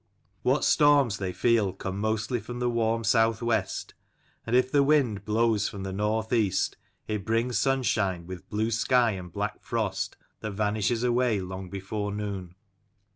What storms they feel come mostly from the warm south west, and if the wind blows from north east it brings sunshine, with blue sky and black frost that vanishes away long before noon.